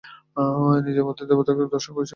নিজের মধ্যে তিনি দেবতাকে দর্শন করিয়াছিলেন।